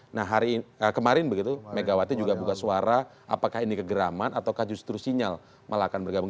nah hari kemarin begitu megawati juga buka suara apakah ini kegeraman ataukah justru sinyal malah akan bergabung